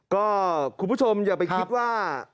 ก็คุณผู้ชมอย่าไปคิดว่า